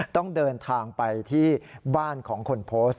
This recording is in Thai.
ต้องเดินทางไปที่บ้านของคนโพสต์